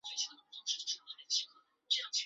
后来甘地访问比哈尔邦。